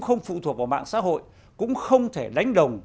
không phụ thuộc vào mạng xã hội cũng không thể đánh đồng